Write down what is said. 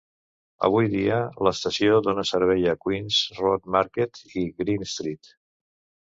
Avui dia, l'estació dona servei a Queens Road Market i Green Street.